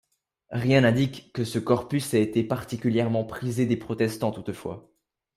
Rien n'indique que ce corpus ait été particulièrement prisé des Protestants, toutefois.